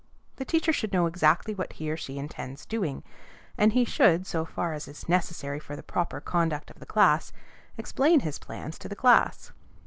The teacher should know exactly what he or she intends doing, and he should, so far as is necessary for the proper conduct of the class, explain his plans to the class.